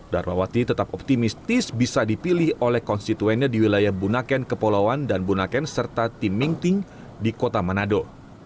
darmawati tetap optimistis bisa dipilih oleh konstituennya di wilayah bunaken kepulauan dan bunaken serta tim mingting di kota manado